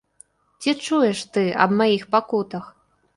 Ці чуеш ты аб маіх пакутах?